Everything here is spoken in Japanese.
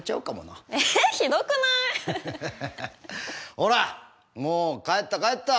ほらっもう帰った帰った！